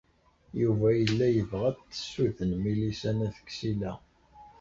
Yuba yella yebɣa ad t-tessuden Milisa n At Ksila.